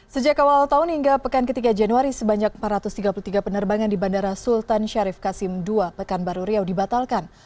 sejak awal tahun hingga pekan ketiga januari sebanyak empat ratus tiga puluh tiga penerbangan di bandara sultan syarif kasim ii pekanbaru riau dibatalkan